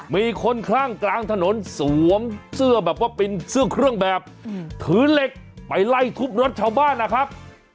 มีคนคลั่งกลางถนนสวมเสื้อแบบว่าเป็นเสื้อเครื่องแบบถือเหล็กไปไล่ทุบรถชาวบ้านนะครับ